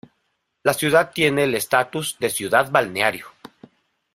La ciudad tiene el estatus de ciudad balneario.